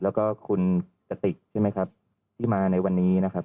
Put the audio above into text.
แล้วก็คุณกติกใช่ไหมครับที่มาในวันนี้นะครับ